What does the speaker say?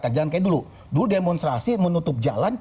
kayak dulu demonstrasi menutup jalan